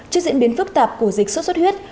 trước diễn biến phức tạp của dịch suốt suốt huyết